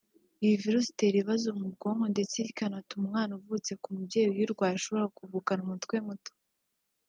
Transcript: Iyi virus itera ibibazo mu bwonko ndetse ikanatuma umwana uvutse ku mubyeyi uyirwaye ashobora kuvukana umutwe muto